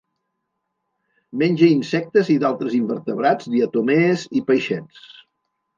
Menja insectes i d'altres invertebrats, diatomees i peixets.